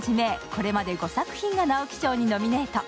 これまで５作品が直木賞にノミネート。